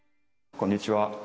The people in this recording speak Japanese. こんにちは！